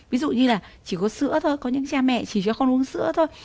ví dụ như là chỉ có sữa thôi có những cha mẹ chỉ cho con uống sữa thôi